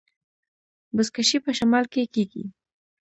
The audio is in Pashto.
بزکشي په شمال کې کیږي